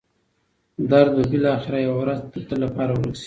درد به بالاخره یوه ورځ د تل لپاره ورک شي.